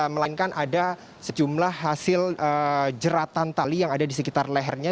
melainkan ada sejumlah hasil jeratan tali yang ada di sekitar lehernya